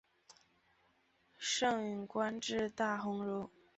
盛允官至大鸿胪。